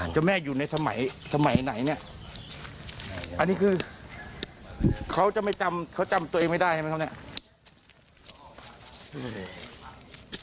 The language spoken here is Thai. เจ้าแม่อยู่ในสมัยสมัยไหนเนี่ยอันนี้คือเขาจะไม่จำเขาจำตัวเองไม่ได้ใช่ไหมครับเนี่ย